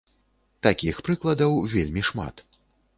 Такіх прыкладаў вельмі шмат.